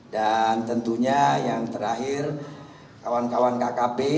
dan tentunya yang terakhir kawan kawan kkp